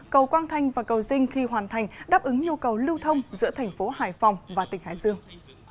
cầu quang thanh và cầu dinh khi hoàn thành đáp ứng nhu cầu lưu thông giữa tp hải phòng và tp hải dương